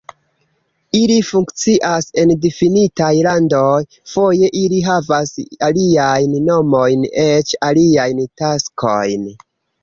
Ili funkcias en difinitaj landoj, foje ili havas aliajn nomojn, eĉ aliajn taskojn.